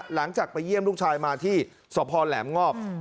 หลังจากเต็มหาลูกชายมาที่สพหลงบ